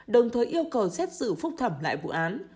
đồng thời yêu cầu xét xử phúc thẩm lại vụ án